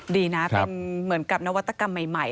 ดีนะเป็นเหมือนกับนวัตกรรมใหม่